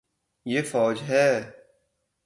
یے فوج ہے